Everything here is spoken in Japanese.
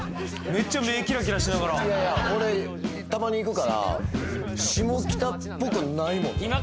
めっちゃ目キラキラしながらいやいや俺たまに行くから下北っぽくないもんな